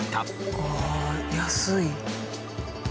ああ「安い」。